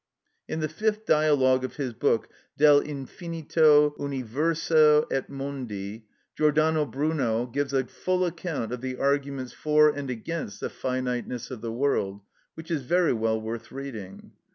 In the fifth dialogue of his book, "Del Infinito, Universo e Mondi," Giordano Bruno gives a full account of the arguments for and against the finiteness of the world, which is very well worth reading.